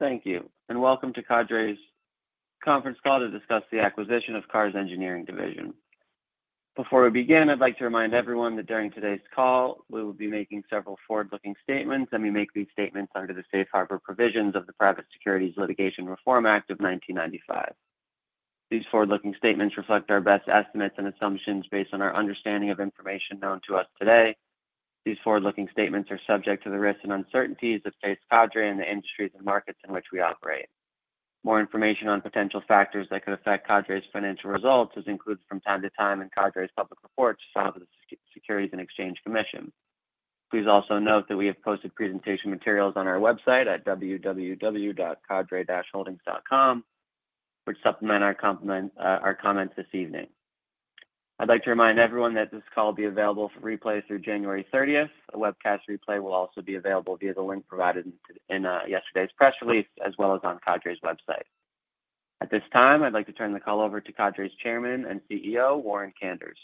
Thank you, and welcome to Cadre's Conference Call to discuss the acquisition of Carrs Engineering Division. Before we begin, I'd like to remind everyone that during today's call we will be making several forward-looking statements, and we make these statements under the Safe Harbor Provisions of the Private Securities Litigation Reform Act of 1995. These forward-looking statements reflect our best estimates and assumptions based on our understanding of information known to us today. These forward-looking statements are subject to the risks and uncertainties of today's Cadre and the industries and markets in which we operate. More information on potential factors that could affect Cadre's financial results is included from time to time in Cadre's public reports to the Securities and Exchange Commission. Please also note that we have posted presentation materials on our website at www.cadre-holdings.com, which supplement our comments this evening. I'd like to remind everyone that this call will be available for replay through January 30th. A webcast replay will also be available via the link provided in yesterday's press release, as well as on Cadre's website. At this time, I'd like to turn the call over to Cadre's Chairman and CEO, Warren Kanders.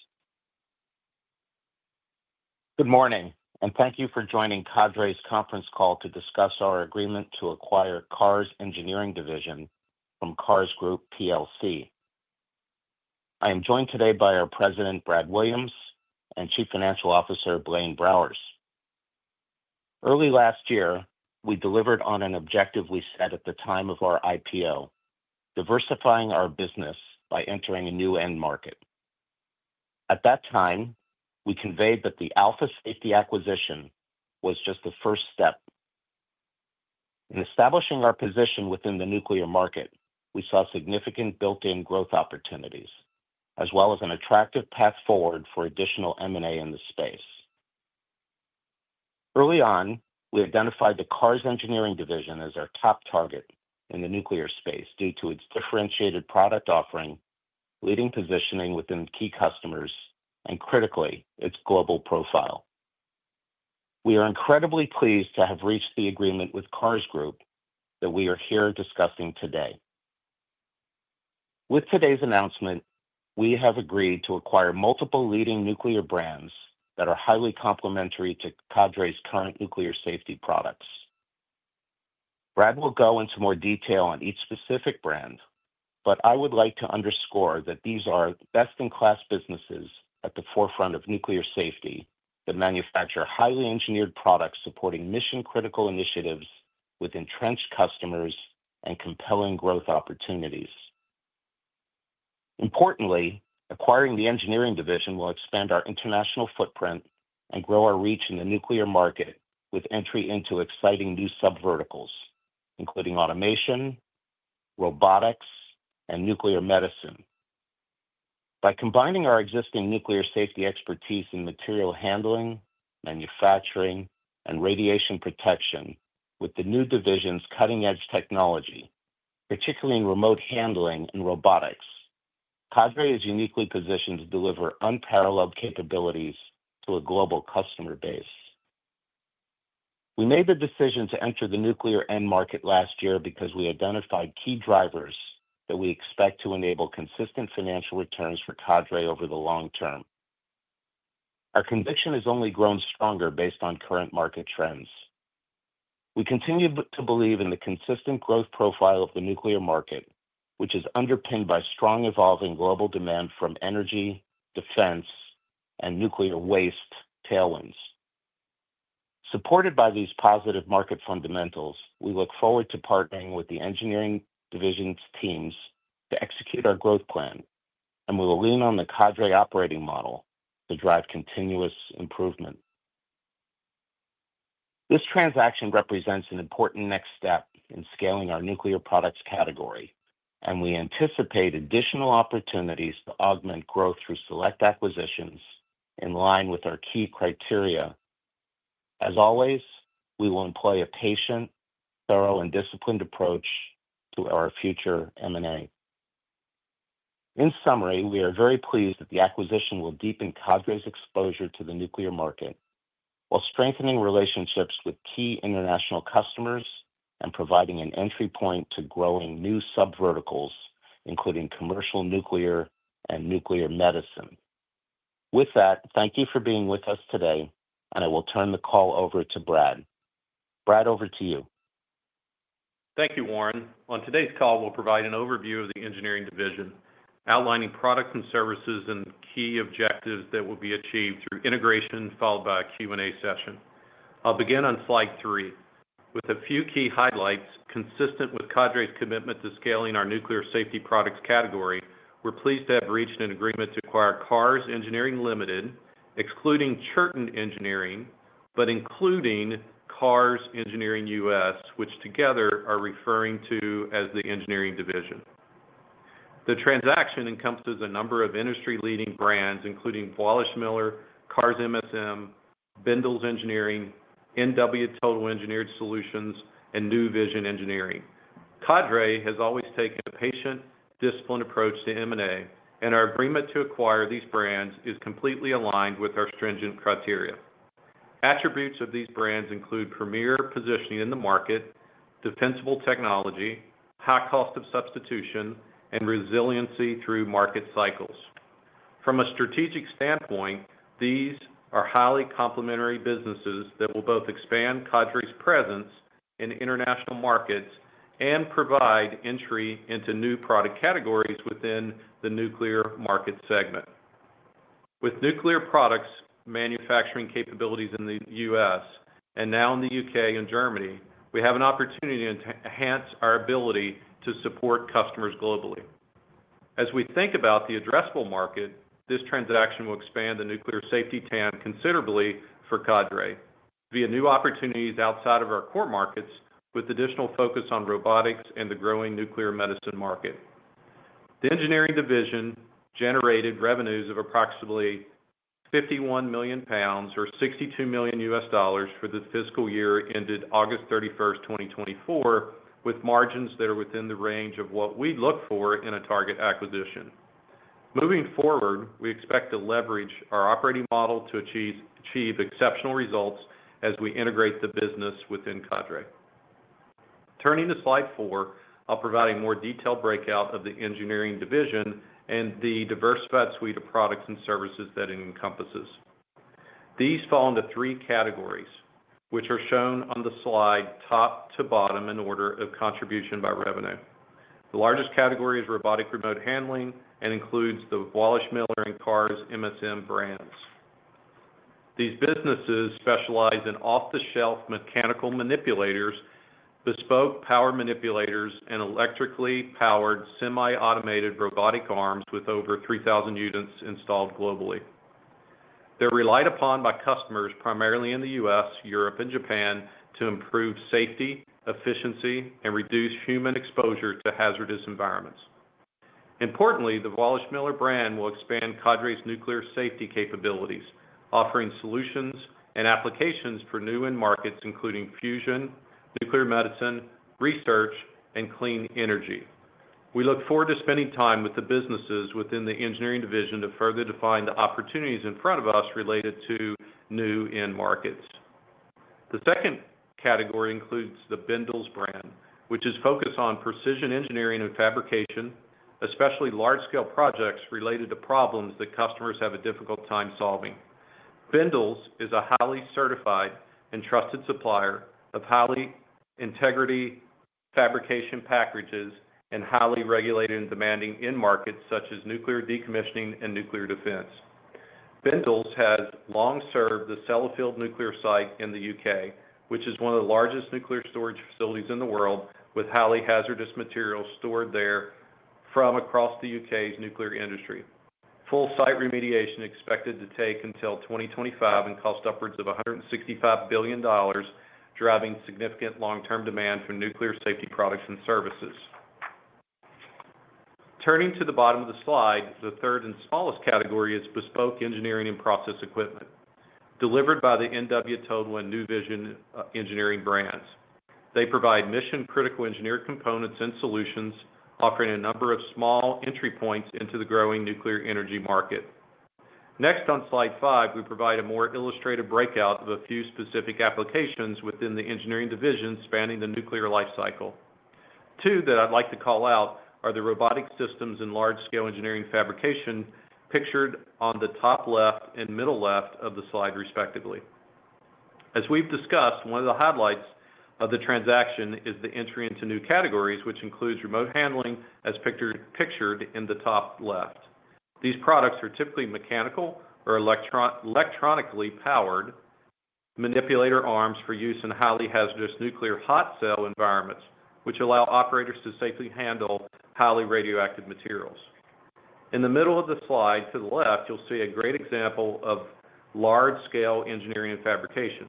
Good morning, and thank you for joining Cadre's Conference Call to discuss our agreement to acquire Carrs Engineering Division from Carrs Group, PLC. I am joined today by our President, Brad Williams, and Chief Financial Officer, Blaine Browers. Early last year, we delivered on an objective we set at the time of our IPO: diversifying our business by entering a new end market. At that time, we conveyed that the Alpha Safety acquisition was just the first step. In establishing our position within the nuclear market, we saw significant built-in growth opportunities, as well as an attractive path forward for additional M&A in the space. Early on, we identified the Carrs Engineering Division as our top target in the nuclear space due to its differentiated product offering, leading positioning within key customers, and critically, its global profile. We are incredibly pleased to have reached the agreement with Carrs Group that we are here discussing today. With today's announcement, we have agreed to acquire multiple leading nuclear brands that are highly complementary to Cadre's current nuclear safety products. Brad will go into more detail on each specific brand, but I would like to underscore that these are best-in-class businesses at the forefront of nuclear safety that manufacture highly engineered products supporting mission-critical initiatives with entrenched customers and compelling growth opportunities. Importantly, acquiring the Engineering Division will expand our international footprint and grow our reach in the nuclear market with entry into exciting new sub-verticals, including automation, robotics, and nuclear medicine. By combining our existing nuclear safety expertise in material handling, manufacturing, and radiation protection with the new division's cutting-edge technology, particularly in remote handling and robotics, Cadre is uniquely positioned to deliver unparalleled capabilities to a global customer base. We made the decision to enter the nuclear end market last year because we identified key drivers that we expect to enable consistent financial returns for Cadre over the long term. Our conviction has only grown stronger based on current market trends. We continue to believe in the consistent growth profile of the nuclear market, which is underpinned by strong evolving global demand from energy, defense, and nuclear waste tailwinds. Supported by these positive market fundamentals, we look forward to partnering with the Engineering Division's teams to execute our growth plan, and we will lean on the Cadre's operating model to drive continuous improvement. This transaction represents an important next step in scaling our nuclear products category, and we anticipate additional opportunities to augment growth through select acquisitions in line with our key criteria. As always, we will employ a patient, thorough, and disciplined approach to our future M&A. In summary, we are very pleased that the acquisition will deepen Cadre's exposure to the nuclear market while strengthening relationships with key international customers and providing an entry point to growing new sub-verticals, including commercial nuclear and nuclear medicine. With that, thank you for being with us today, and I will turn the call over to Brad. Brad, over to you. Thank you, Warren. On today's call, we'll provide an overview of the Engineering Division, outlining products and services and key objectives that will be achieved through integration, followed by a Q&A session. I'll begin on slide three with a few key highlights consistent with Cadre's commitment to scaling our nuclear safety products category. We're pleased to have reached an agreement to acquire Carrs Engineering Ltd, excluding Chirton Engineering, but including Carrs Engineering U.S., which together are referring to as the Engineering Division. The transaction encompasses a number of industry-leading brands, including Wälischmiller Engineering, Carrs MSM, Bendalls Engineering, NW Total Engineered Solutions, and NuVision Engineering. Cadre has always taken a patient, disciplined approach to M&A, and our agreement to acquire these brands is completely aligned with our stringent criteria. Attributes of these brands include premier positioning in the market, defensible technology, high cost of substitution, and resiliency through market cycles. From a strategic standpoint, these are highly complementary businesses that will both expand Cadre's presence in international markets and provide entry into new product categories within the nuclear market segment. With nuclear products manufacturing capabilities in the U.S. and now in the U.K. and Germany, we have an opportunity to enhance our ability to support customers globally. As we think about the addressable market, this transaction will expand the nuclear safety TAM considerably for Cadre via new opportunities outside of our core markets, with additional focus on robotics and the growing nuclear medicine market. The Engineering Division generated revenues of approximately 51 million pounds, or $62 million U.S. dollars, for the fiscal year ended August 31st, 2024, with margins that are within the range of what we look for in a target acquisition. Moving forward, we expect to leverage our operating model to achieve exceptional results as we integrate the business within Cadre. Turning to slide four, I'll provide a more detailed breakout of the Engineering Division and the diversified suite of products and services that it encompasses. These fall into three categories, which are shown on the slide top to bottom in order of contribution by revenue. The largest category is robotic remote handling and includes the Wälischmiller and Carrs MSM brands. These businesses specialize in off-the-shelf mechanical manipulators, bespoke power manipulators, and electrically powered semi-automated robotic arms with over 3,000 units installed globally. They're relied upon by customers primarily in the U.S., Europe, and Japan to improve safety, efficiency, and reduce human exposure to hazardous environments. Importantly, the Wälischmiller brand will expand Cadre's nuclear safety capabilities, offering solutions and applications for new end markets, including fusion, nuclear medicine, research, and clean energy. We look forward to spending time with the businesses within the Engineering Division to further define the opportunities in front of us related to new end markets. The second category includes the Bendalls brand, which is focused on precision engineering and fabrication, especially large-scale projects related to problems that customers have a difficult time solving. Bendalls is a highly certified and trusted supplier of high integrity fabrication packages and highly regulated and demanding end markets such as nuclear decommissioning and nuclear defense. Bendalls has long served the Sellafield nuclear site in the U.K., which is one of the largest nuclear storage facilities in the world, with highly hazardous materials stored there from across the U.K.'s nuclear industry. Full site remediation is expected to take until 2025 and cost upwards of $165 billion, driving significant long-term demand for nuclear safety products and services. Turning to the bottom of the slide, the third and smallest category is bespoke engineering and process equipment, delivered by the NW Total and NuVision Engineering brands. They provide mission-critical engineered components and solutions, offering a number of small entry points into the growing nuclear energy market. Next, on slide five, we provide a more illustrative breakout of a few specific applications within the Engineering Division spanning the nuclear life cycle. Two that I'd like to call out are the robotic systems and large-scale engineering fabrication pictured on the top left and middle left of the slide, respectively. As we've discussed, one of the highlights of the transaction is the entry into new categories, which includes remote handling as pictured in the top left. These products are typically mechanical or electronically powered manipulator arms for use in highly hazardous nuclear hot cell environments, which allow operators to safely handle highly radioactive materials. In the middle of the slide to the left, you'll see a great example of large-scale engineering and fabrication.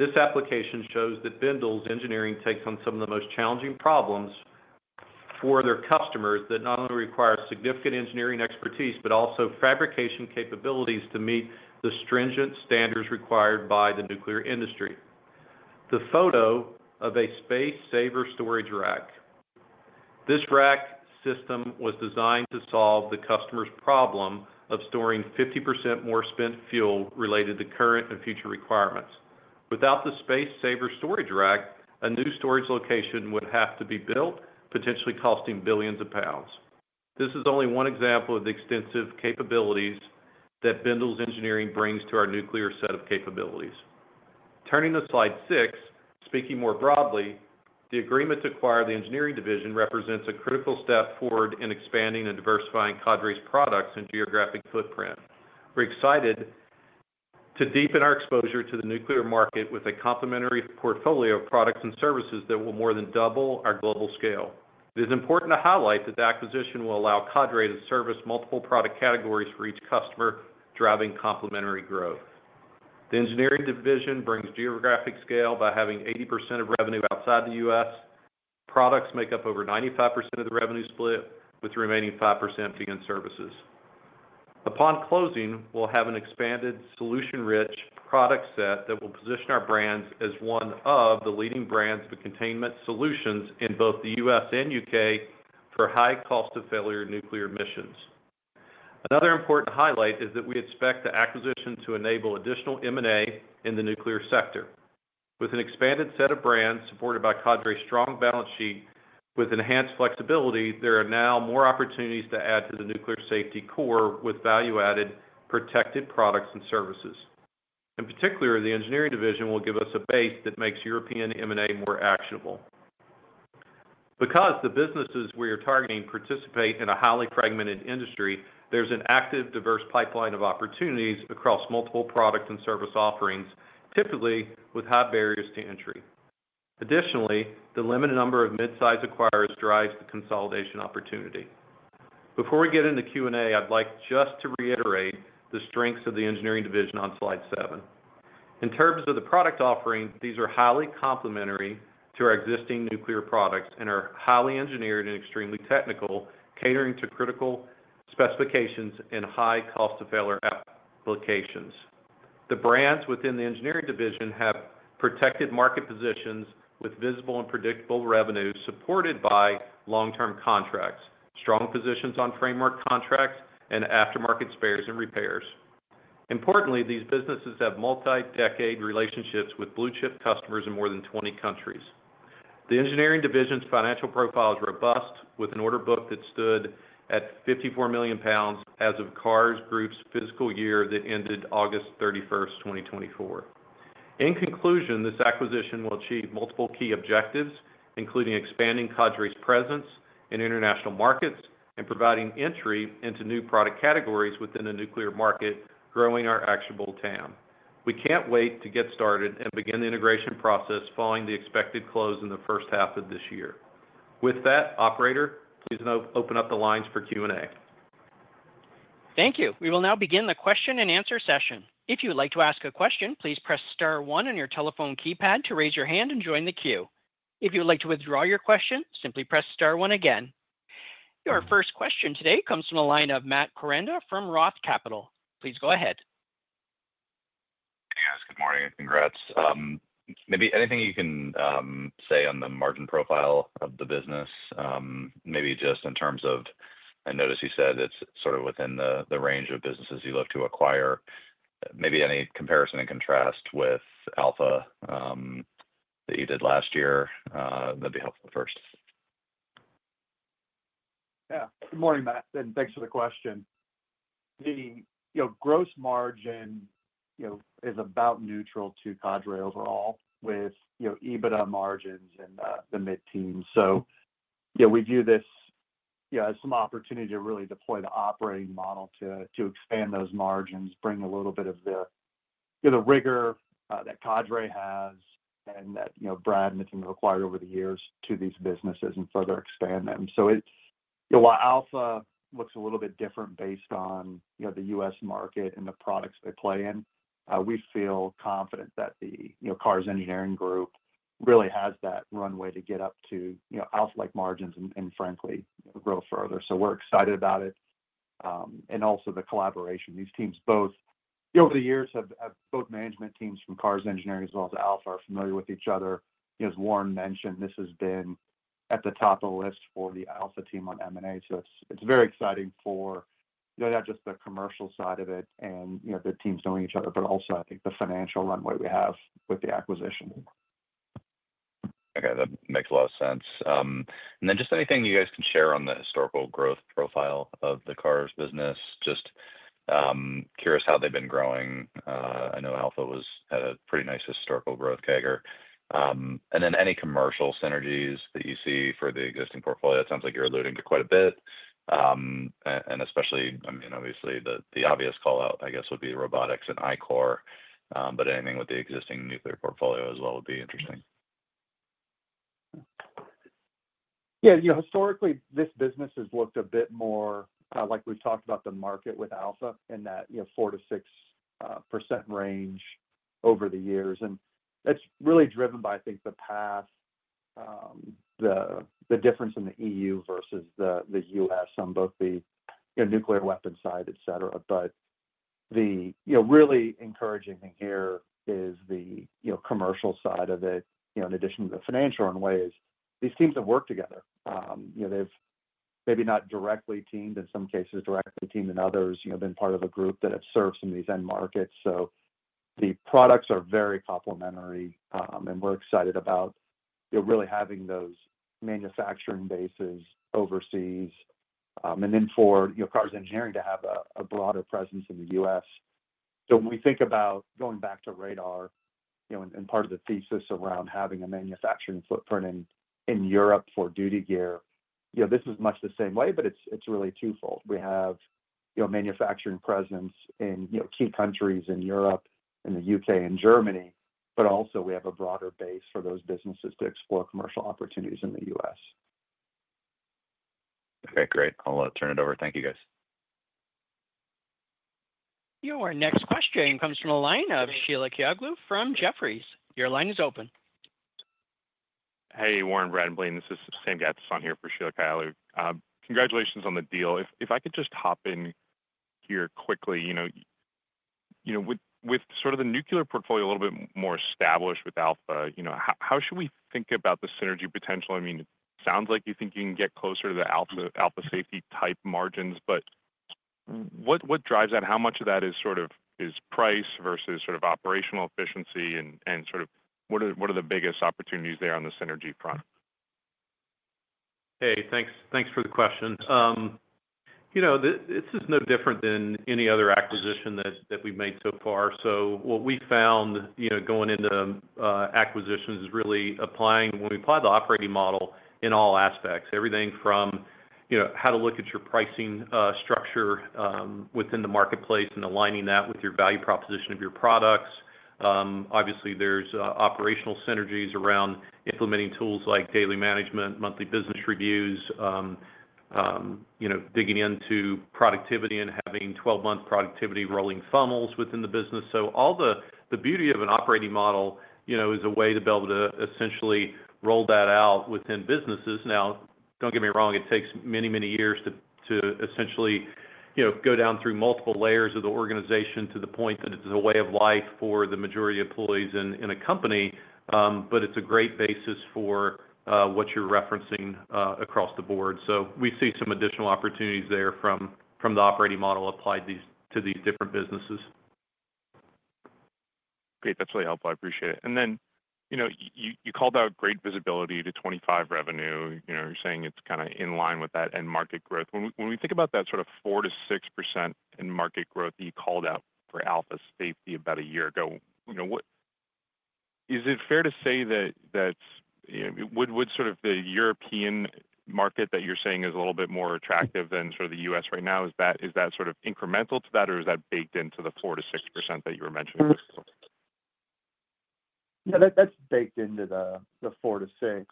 This application shows that Bendalls Engineering takes on some of the most challenging problems for their customers that not only require significant engineering expertise, but also fabrication capabilities to meet the stringent standards required by the nuclear industry. The photo of a Space Saver Storage Rack. This rack system was designed to solve the customer's problem of storing 50% more spent fuel related to current and future requirements. Without the Space Saver Storage Rack, a new storage location would have to be built, potentially costing billions of GBP. This is only one example of the extensive capabilities that Bendalls Engineering brings to our nuclear set of capabilities. Turning to slide six, speaking more broadly, the agreement to acquire the Engineering Division represents a critical step forward in expanding and diversifying Cadre's products and geographic footprint. We're excited to deepen our exposure to the nuclear market with a complementary portfolio of products and services that will more than double our global scale. It is important to highlight that the acquisition will allow Cadre to service multiple product categories for each customer, driving complementary growth. The Engineering Division brings geographic scale by having 80% of revenue outside the U.S. Products make up over 95% of the revenue split, with the remaining 5% being services. Upon closing, we'll have an expanded solution-rich product set that will position our brands as one of the leading brands for containment solutions in both the U.S. and U.K. for high cost of failure nuclear missions. Another important highlight is that we expect the acquisition to enable additional M&A in the nuclear sector. With an expanded set of brands supported by Cadre's strong balance sheet with enhanced flexibility, there are now more opportunities to add to the nuclear safety core with value-added protected products and services. In particular, the Engineering Division will give us a base that makes European M&A more actionable. Because the businesses we are targeting participate in a highly fragmented industry, there's an active, diverse pipeline of opportunities across multiple product and service offerings, typically with high barriers to entry. Additionally, the limited number of mid-size acquirers drives the consolidation opportunity. Before we get into Q&A, I'd like just to reiterate the strengths of the Engineering Division on slide seven. In terms of the product offering, these are highly complementary to our existing nuclear products and are highly engineered and extremely technical, catering to critical specifications and high cost of failure applications. The brands within the Engineering Division have protected market positions with visible and predictable revenues supported by long-term contracts, strong positions on framework contracts, and aftermarket spares and repairs. Importantly, these businesses have multi-decade relationships with blue-chip customers in more than 20 countries. The Engineering Division's financial profile is robust, with an order book that stood at 54 million pounds as of Carrs Group's fiscal year that ended August 31st, 2024. In conclusion, this acquisition will achieve multiple key objectives, including expanding Cadre's presence in international markets and providing entry into new product categories within the nuclear market, growing our actionable TAM. We can't wait to get started and begin the integration process following the expected close in the first half of this year. With that, operator, please open up the lines for Q&A. Thank you. We will now begin the question and answer session. If you'd like to ask a question, please press star one on your telephone keypad to raise your hand and join the queue. If you'd like to withdraw your question, simply press star one again. Our first question today comes from the line of Matt Koranda from Roth Capital. Please go ahead. Hey, guys. Good morning. Congrats. Maybe anything you can say on the margin profile of the business, maybe just in terms of I noticed you said it's sort of within the range of businesses you'd love to acquire. Maybe any comparison and contrast with Alpha that you did last year, that'd be helpful first. Yeah. Good morning, Matt. And thanks for the question. The gross margin is about neutral to Cadre overall with EBITDA margins in the mid-teens. So we view this as some opportunity to really deploy the operating model to expand those margins, bring a little bit of the rigor that Cadre has and that Brad and the team have acquired over the years to these businesses and further expand them. So while Alpha looks a little bit different based on the U.S. market and the products they play in, we feel confident that the Carrs Engineering Group really has that runway to get up to Alpha-like margins and, frankly, grow further. So we're excited about it. And also the collaboration. These teams both over the years have both management teams from Carrs Engineering as well as Alpha are familiar with each other. As Warren mentioned, this has been at the top of the list for the Alpha team on M&A. So it's very exciting for not just the commercial side of it and the teams knowing each other, but also, I think, the financial runway we have with the acquisition. Okay. That makes a lot of sense. And then just anything you guys can share on the historical growth profile of the Carrs business. Just curious how they've been growing. I know Alpha had a pretty nice historical growth, Kanders. And then any commercial synergies that you see for the existing portfolio? It sounds like you're alluding to quite a bit. And especially, I mean, obviously, the obvious callout, I guess, would be robotics and ICOR, but anything with the existing nuclear portfolio as well would be interesting. Yeah. Historically, this business has looked a bit more like we've talked about the market with Alpha in that 4%-6% range over the years. And it's really driven by, I think, the path, the difference in the EU versus the U.S. on both the nuclear weapon side, etc. But the really encouraging thing here is the commercial side of it. In addition to the financial in ways, these teams have worked together. They've maybe not directly teamed, in some cases directly teamed in others, been part of a group that have served some of these end markets. So the products are very complementary, and we're excited about really having those manufacturing bases overseas and then for Carrs Engineering to have a broader presence in the U.S. So when we think about going back to Cadre and part of the thesis around having a manufacturing footprint in Europe for duty gear, this is much the same way, but it's really twofold. We have a manufacturing presence in key countries in Europe, in the U.K. and Germany, but also we have a broader base for those businesses to explore commercial opportunities in the U.S. Okay. Great. I'll turn it over. Thank you, guys. Our next question comes from the line of Sheila Kahyaoglu from Jefferies. Your line is open. Hey, Warren, Brad, Blaine. This is Sam Gadsden here for Sheila Kahyaoglu. Congratulations on the deal. If I could just hop in here quickly, with sort of the nuclear portfolio a little bit more established with Alpha, how should we think about the synergy potential? I mean, it sounds like you think you can get closer to the Alpha Safety type margins, but what drives that? How much of that is sort of price versus sort of operational efficiency and sort of what are the biggest opportunities there on the synergy front? Hey, thanks for the question. This is no different than any other acquisition that we've made so far. So what we found going into acquisitions is really applying when we apply the operating model in all aspects, everything from how to look at your pricing structure within the marketplace and aligning that with your value proposition of your products. Obviously, there's operational synergies around implementing tools like daily management, monthly business reviews, digging into productivity and having 12-month productivity rolling funnels within the business. So all the beauty of an operating model is a way to be able to essentially roll that out within businesses. Now, don't get me wrong, it takes many, many years to essentially go down through multiple layers of the organization to the point that it's a way of life for the majority of employees in a company, but it's a great basis for what you're referencing across the board. So we see some additional opportunities there from the operating model applied to these different businesses. Great. That's really helpful. I appreciate it. And then you called out great visibility to 2025 revenue. You're saying it's kind of in line with that end market growth. When we think about that sort of 4%-6% in market growth that you called out for Alpha Safety about a year ago, is it fair to say that would sort of the European market that you're saying is a little bit more attractive than sort of the U.S. right now? Is that sort of incremental to that, or is that baked into the 4%-6% that you were mentioning before? Yeah, that's baked into the 4%-6%.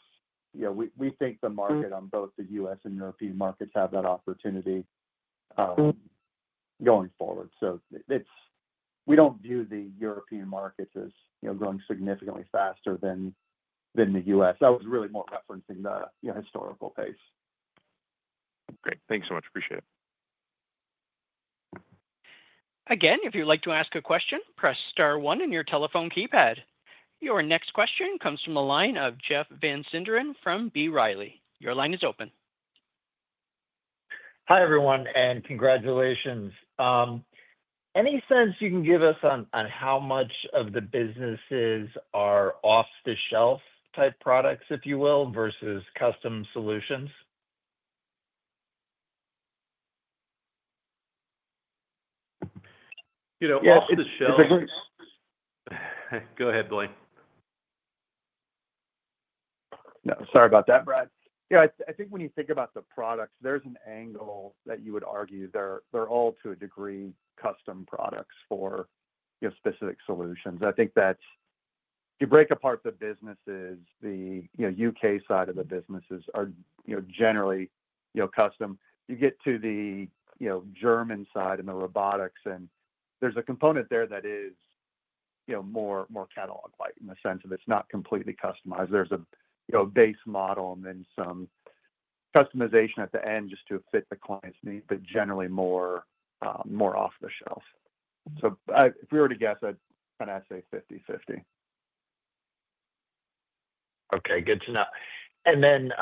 We think the market on both the U.S. and European markets have that opportunity going forward. So we don't view the European markets as growing significantly faster than the U.S. I was really more referencing the historical pace. Great. Thanks so much. Appreciate it. Again, if you'd like to ask a question, press star one in your telephone keypad. Your next question comes from the line of Jeff Van Sinderen from B. Riley. Your line is open. Hi, everyone, and congratulations. Any sense you can give us on how much of the businesses are off-the-shelf type products, if you will, versus custom solutions? Off-the-shelf. Go ahead, Blaine. No, sorry about that, Brad. Yeah, I think when you think about the products, there's an angle that you would argue they're all to a degree custom products for specific solutions. I think that's if you break apart the businesses, the U.K. side of the businesses are generally custom. You get to the German side and the robotics, and there's a component there that is more catalog-like in the sense of it's not completely customized. There's a base model and then some customization at the end just to fit the client's needs, but generally more off-the-shelf. So if we were to guess, I'd say 50/50. Okay. Good to know. And then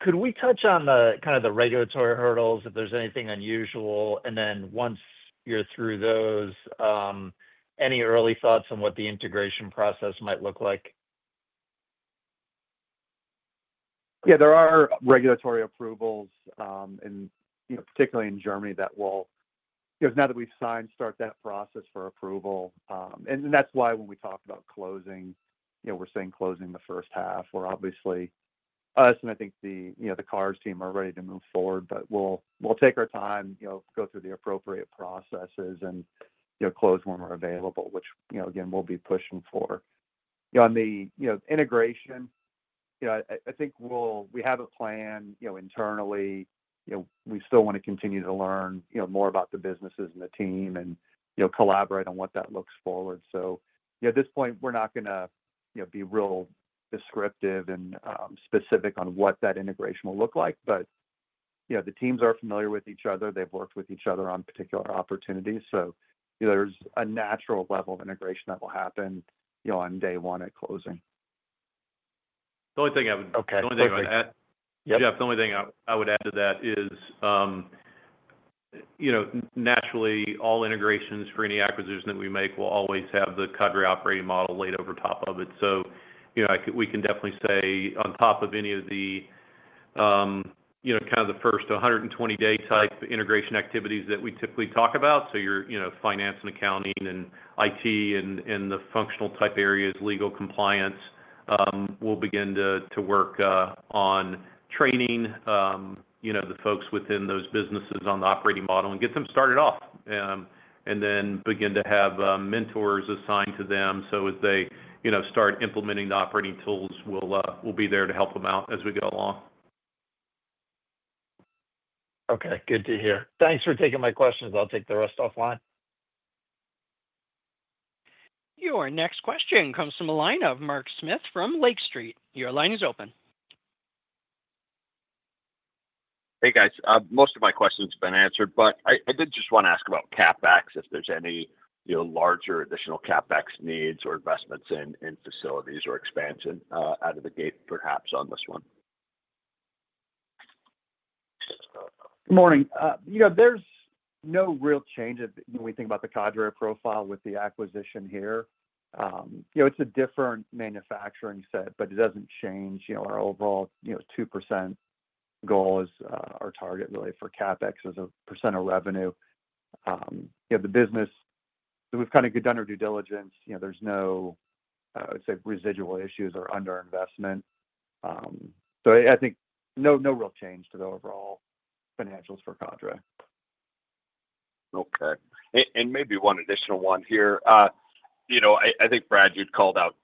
could we touch on kind of the regulatory hurdles if there's anything unusual? And then once you're through those, any early thoughts on what the integration process might look like? Yeah, there are regulatory approvals, particularly in Germany, that will, now that we've signed, start that process for approval. And that's why when we talk about closing, we're saying closing the first half, where obviously us and I think the Carrs team are ready to move forward, but we'll take our time, go through the appropriate processes, and close when we're available, which, again, we'll be pushing for. On the integration, I think we have a plan internally. We still want to continue to learn more about the businesses and the team and collaborate on what that looks forward. So at this point, we're not going to be real descriptive and specific on what that integration will look like, but the teams are familiar with each other. They've worked with each other on particular opportunities. So there's a natural level of integration that will happen on day one at closing. The only thing I would. Okay. Go ahead. The only thing I would add. Yeah, the only thing I would add to that is naturally, all integrations for any acquisition that we make will always have the Cadre operating model laid over top of it. So we can definitely say on top of any of the kind of the first 120-day type integration activities that we typically talk about, so your finance and accounting and IT and the functional type areas, legal compliance, we'll begin to work on training the folks within those businesses on the operating model and get them started off and then begin to have mentors assigned to them. So as they start implementing the operating tools, we'll be there to help them out as we go along. Okay. Good to hear. Thanks for taking my questions. I'll take the rest offline. Your next question comes from the line of Mark Smith from Lake Street. Your line is open. Hey, guys. Most of my questions have been answered, but I did just want to ask about CapEx, if there's any larger additional CapEx needs or investments in facilities or expansion out of the gate, perhaps on this one? Good morning. There's no real change when we think about the Cadre profile with the acquisition here. It's a different manufacturing set, but it doesn't change our overall 2% goal is our target really for CapEx as a percent of revenue. The business, we've kind of done our due diligence. There's no, I would say, residual issues or underinvestment. So I think no real change to the overall financials for Cadre. Okay. And maybe one additional one here. I think, Brad, you'd called out,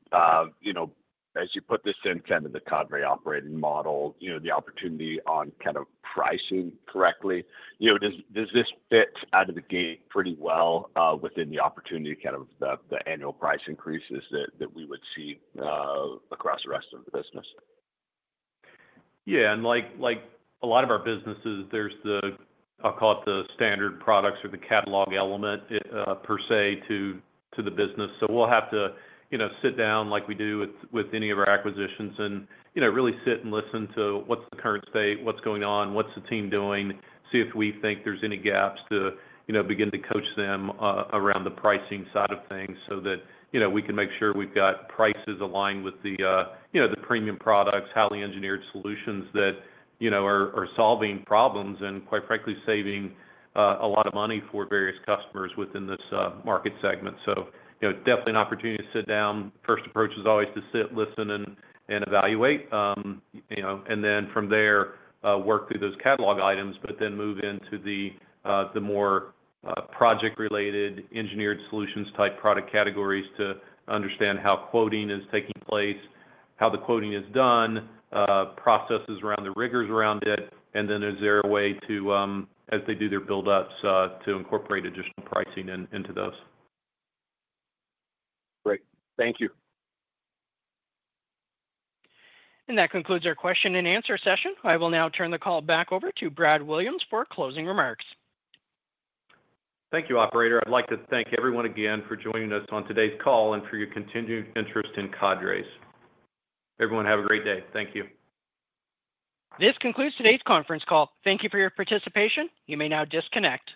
as you put this in kind of the Cadre operating model, the opportunity on kind of pricing correctly. Does this fit out of the gate pretty well within the opportunity kind of the annual price increases that we would see across the rest of the business? Yeah. And like a lot of our businesses, there's the, I'll call it the standard products or the catalog element per se to the business. So we'll have to sit down like we do with any of our acquisitions and really sit and listen to what's the current state, what's going on, what's the team doing, see if we think there's any gaps to begin to coach them around the pricing side of things so that we can make sure we've got prices aligned with the premium products, highly engineered solutions that are solving problems and, quite frankly, saving a lot of money for various customers within this market segment. So definitely an opportunity to sit down. First approach is always to sit, listen, and evaluate. And then from there, work through those catalog items, but then move into the more project-related engineered solutions type product categories to understand how quoting is taking place, how the quoting is done, processes around the rigors around it, and then is there a way to, as they do their build-ups, to incorporate additional pricing into those? Great. Thank you. And that concludes our question and answer session. I will now turn the call back over to Brad Williams for closing remarks. Thank you, operator. I'd like to thank everyone again for joining us on today's call and for your continued interest in Cadre's. Everyone, have a great day. Thank you. This concludes today's conference call. Thank you for your participation. You may now disconnect.